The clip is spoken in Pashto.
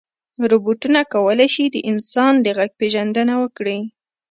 روبوټونه کولی شي د انسان د غږ پېژندنه وکړي.